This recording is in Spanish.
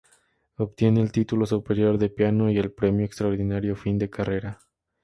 Obtiene el título Superior de piano y el Premio Extraordinario Fin de Carrera.